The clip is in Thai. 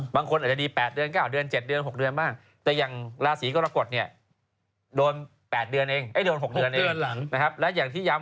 บางคนอาจจะดี๘เดือน๙เดือน๗เดือน๖เดือนบ้าง